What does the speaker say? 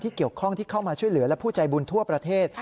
เกี่ยวข้องที่เข้ามาช่วยเหลือและผู้ใจบุญทั่วประเทศ